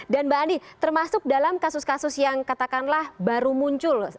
dan mbak andi termasuk dalam kasus kasus yang katakanlah baru muncul